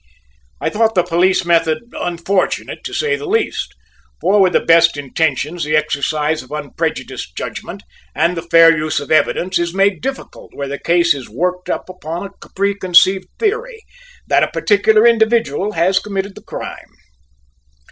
I thought the police method unfortunate, to say the least, for with the best intentions the exercise of unprejudiced judgment and the fair use of evidence is made difficult where the case is "worked up" upon a preconceived theory that a particular individual has committed the crime.